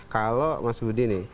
kalau mas budi nih